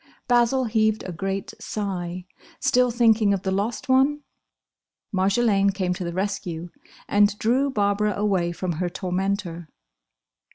Basil heaved a great sigh. Still thinking of the lost one! Marjolaine came to the rescue and drew Barbara away from her tormentor.